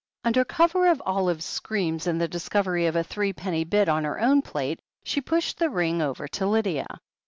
Under cover of Olive's screams on the discovery of a three penny bit on her own plate, he pushed the ring over to Lydia.